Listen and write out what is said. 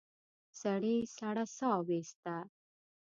سړي سړه سا ويسته.